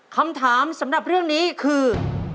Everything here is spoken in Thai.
คำถามสำหรับเรื่องนี้คือ